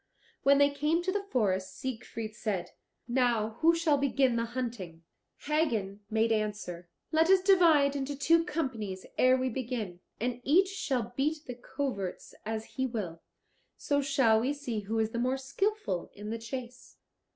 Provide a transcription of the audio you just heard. When they came to the forest Siegfried said, "Now who shall begin the hunting?" Hagen made answer, "Let us divide into two companies ere we begin, and each shall beat the coverts as he will; so shall we see who is the more skilful in the chase."